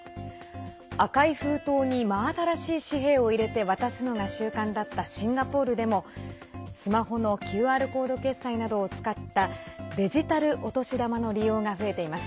赤い封筒に真新しい紙幣を入れて渡すのが習慣だったシンガポールでもスマホのＱＲコード決済などを使ったデジタルお年玉の利用が増えています。